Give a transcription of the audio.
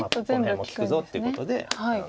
この辺も利くぞっていうことで。